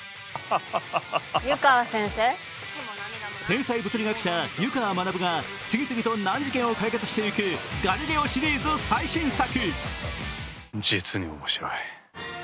天才物理学者・湯川学が次々と難事件を解決していく「ガリレオ」シリーズ最新作。